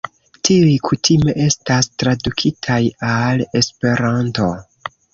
Tiuj kutime estas tradukitaj al Esperanto.